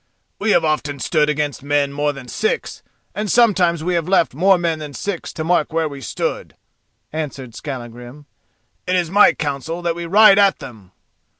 "We have often stood against men more than six, and sometimes we have left more men than six to mark where we stood," answered Skallagrim. "It is my counsel that we ride at them!"